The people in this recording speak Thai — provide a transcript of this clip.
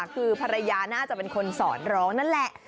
คือภรรยาน่าจะเป็นคนสอนร้องนั่นแหละ